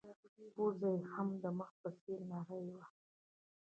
پزه يې هم د مخ په څېر نرۍ وه.